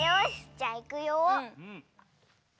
じゃあいくよ！